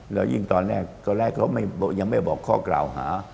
แล้วยิ่งตอนแรกตอนแรกเขายังไม่บอกข้อกล่าวหา